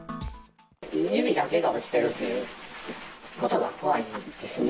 指だけが落ちてるということが怖いですね。